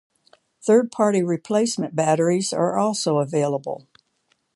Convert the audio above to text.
Third party replacement batteries are also available.